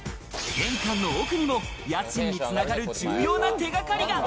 玄関の奥にも家賃に繋がる重要な手がかりが。